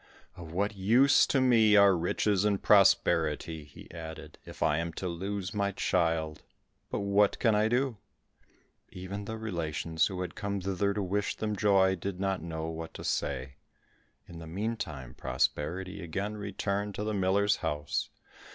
"Of what use to me are riches and prosperity?" he added, "if I am to lose my child; but what can I do?" Even the relations, who had come thither to wish them joy, did not know what to say. In the meantime prosperity again returned to the miller's house.